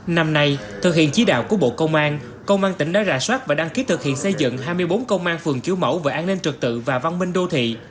năm nay thực hiện chí đạo của bộ công an công an tỉnh đã rà soát và đăng ký thực hiện xây dựng hai mươi bốn công an phường kiểu mẫu về an ninh trực tự và văn minh đô thị